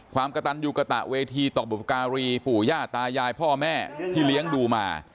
ความกระตันยูกระตะเวทีต่อบุพการีปู่ย่าตายายพ่อแม่ที่เลี้ยงดูมา